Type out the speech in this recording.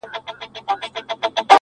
• په ورځ کي سل ځلي ځارېدله؛